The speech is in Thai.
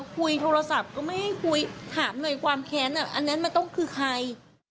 คุยโทรศัพท์ก็ไม่ให้คุยถามหน่อยความแค้นอันนั้นมันต้องคือใคร